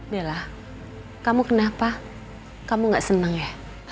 bella kamu kenapa kamu gak senang ya